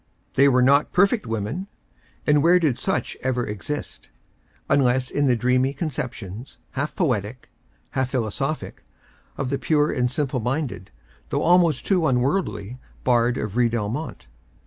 They were not perfect women, — and where did such ever exist, unless in the dreamy conceptions, half jioetic, half philosophic, of the pure and simple minded, though, almost too unworldly, bard of Kydal Mount?